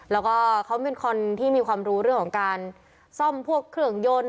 แล้วก็เขาเป็นคนที่มีความรู้เรื่องของการซ่อมพวกเครื่องยนต์